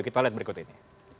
kita lihat berikut ini